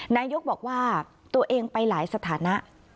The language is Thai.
นายกบอกว่าตัวเองไปหลายสถานะ